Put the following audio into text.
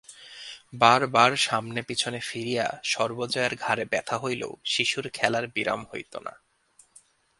বার বার সামনে পিছনে ফিরিয়া সর্বজয়ার ঘাড়ে ব্যথা হইলেও শিশুর খেলার বিরাম হইত না।